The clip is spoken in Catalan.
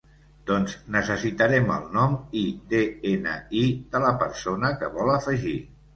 Doncs necessitarem el nom i de-ena-i de la persona que vol afegir.